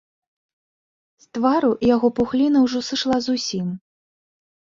З твару яго пухліна ўжо сышла зусім.